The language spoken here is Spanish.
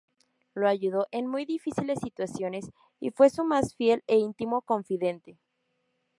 Lo ayudó en muy difíciles situaciones y fue su más fiel e íntimo confidente.